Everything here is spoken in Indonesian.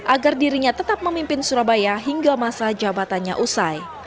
agar dirinya tetap memimpin surabaya hingga masa jabatannya usai